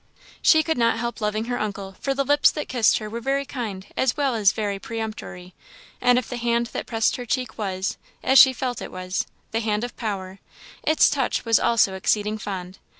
She could not help loving her uncle; for the lips that kissed her were very kind as well as very peremptory; and if the hand that pressed her cheek was, as she felt it was, the hand of power, its touch was also exceeding fond.